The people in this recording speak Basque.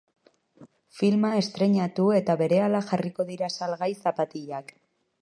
Filma estreinatu eta berehala jarriko dira salgai zapatilak.